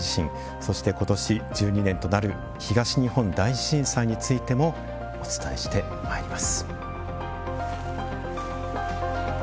そして、今年１２年となる東日本大震災についてもお伝えしてまいります。